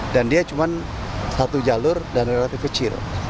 dan dia cuma satu jalur dan relatif kecil